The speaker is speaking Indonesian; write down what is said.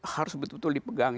harus betul betul dipegang